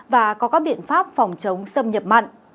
và có các biện pháp phòng chống xâm nhập mặn